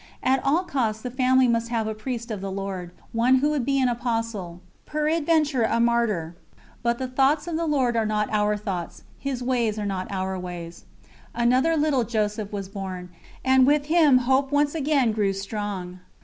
At all costs the family must have a Priest of the Lord, one who would be an apostle, peradventure a martyr. But, "the thoughts of the Lord are not our thoughts, His ways are not our ways." Another little Joseph was born, and with him hope once again grew strong.